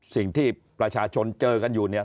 สิ่งที่ประชาชนเจอกันอยู่เนี่ย